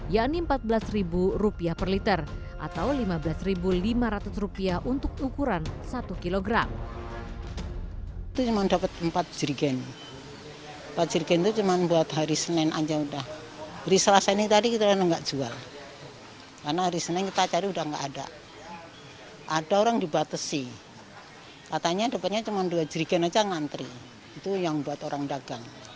yakni rp empat belas per liter atau rp lima belas lima ratus untuk ukuran satu kg